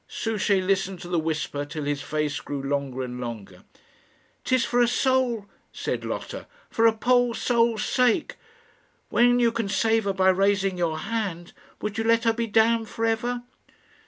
Souchey listened to the whisper till his face grew longer and longer. "'Tis for her soul," said Lotta "for her poor soul's sake. When you can save her by raising your hand, would you let her be damned for ever?"